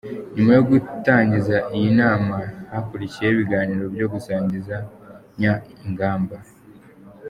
Nyuma yo gutangiza iyi nama hakurikiye ibiganiro byo gusangizanya ingamba